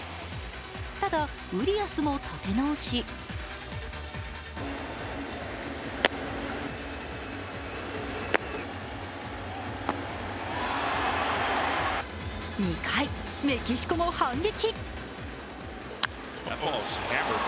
ただ、ウリアスも立て直し２回、メキシコも反撃。